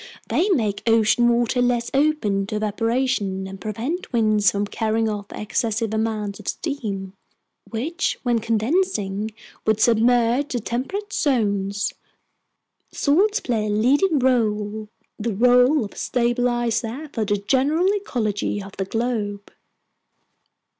They make ocean water less open to evaporation and prevent winds from carrying off excessive amounts of steam, which, when condensing, would submerge the temperate zones. Salts play a leading role, the role of stabilizer for the general ecology of the globe!"